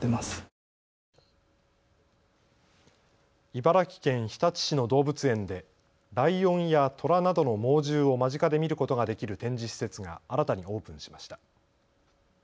茨城県日立市の動物園でライオンやトラなどの猛獣を間近で見ることができる展示施設が新たにオープンしました。